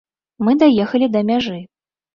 Мы даехалі да мяжы.